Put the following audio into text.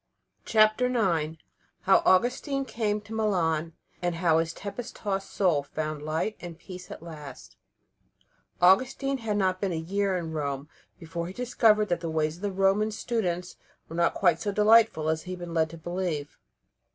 CHAPTER IX HOW AUGUSTINE CAME TO MILAN, AND HOW HIS TEMPEST TOSSED SOUL FOUND LIGHT AND PEACE AT LAST Augustine had not been a year in Rome before he discovered that the ways of the Roman students were not quite so delightful as he had been led to believe.